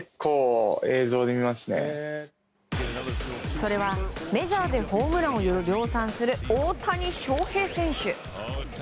それはメジャーでホームランを量産する大谷翔平選手。